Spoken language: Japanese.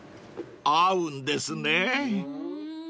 ［合うんですね］